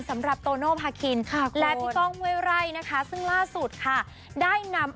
สำหรับโตโนภาคินและพี่ก้องห้วยไร่นะคะซึ่งล่าสุดค่ะได้นำ